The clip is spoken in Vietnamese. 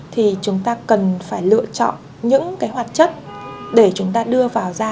thì chúng ta cần phải lựa chọn những hoạt chất để chúng ta đưa vào da